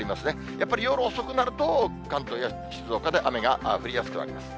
やっぱり夜遅くなると、関東や静岡で雨が降りやすくなります。